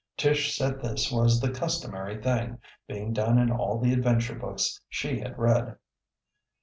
Tish said this was the customary thing, being done in all the adventure books she had read.